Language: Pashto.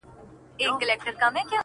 نه په مسجد؛ په درمسال؛ په کليسا کي نسته؛